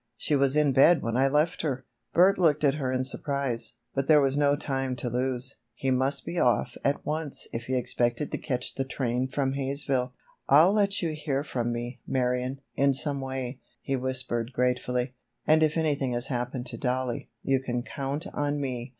She was in bed when I left her!" Bert looked at her in surprise, but there was no time to lose. He must be off at once if he expected to catch the train from Haysville. "I'll let you hear from me, Marion, in some way," he whispered gratefully. "And if anything has happened to Dollie, you can count on me.